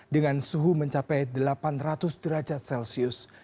dengan suhu mencapai delapan ratus derajat celcius